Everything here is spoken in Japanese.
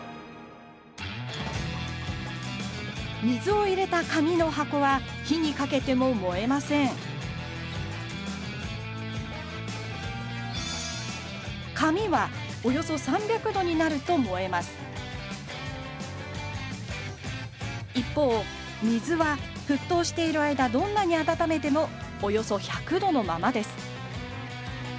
水を入れた紙の箱は火にかけても燃えません紙はおよそ３００度になると燃えます一方水は沸騰している間どんなに温めてもおよそ１００度のままです